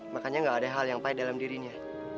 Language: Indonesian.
makanya gak ada hal yang pahit dalam dirinya